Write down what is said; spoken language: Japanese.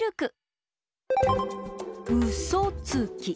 「うそつき」。